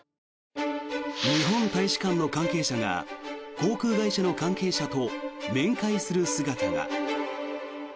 日本大使館の関係者が航空会社の関係者と面会する姿が。